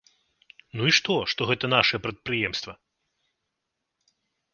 Ну і што, што гэта нашае прадпрыемства?